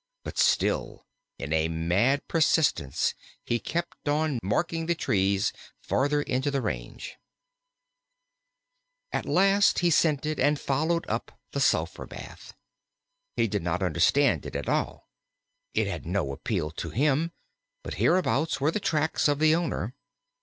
But still, in a mad persistence, he kept on marking the trees farther into the range. At last he scented and followed up the sulphur bath. He did not understand it at all. It had no appeal to him, but hereabouts were the tracks of the owner.